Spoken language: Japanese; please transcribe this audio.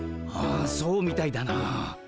ああそうみたいだな。